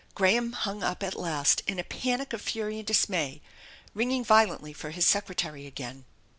Graham hung up at last in a panic of fury and dismay, ringing violently for his secretary again.